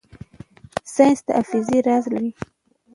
ساینس د حافظې راز لټوي.